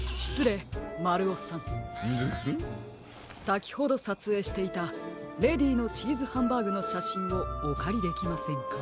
さきほどさつえいしていたレディーのチーズハンバーグのしゃしんをおかりできませんか？